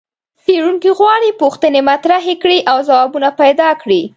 څېړونکي غواړي پوښتنې مطرحې کړي او ځوابونه پیدا کړي.